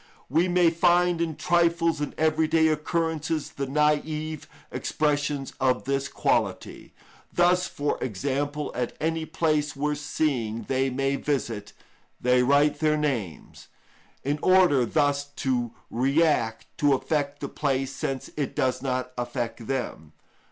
We may find in trifles and everyday occurrences the naïve expressions of this quality. Thus, for example, at any place worth seeing they may visit, they write their names, in order thus to react, to affect the place since it does not affect them.